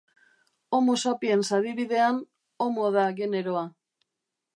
Homo sapiens adibidean Homo da generoa.